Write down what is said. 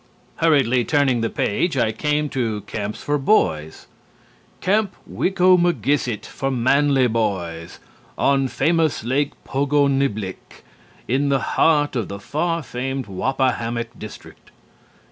Hurriedly turning the page, I came to Camps for Boys. "'Camp Wicomagisset, for Manly Boys. On famous Lake Pogoniblick in the heart of the far famed Wappahammock district.